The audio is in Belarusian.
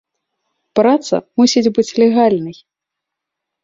Праца мусіць быць легальнай.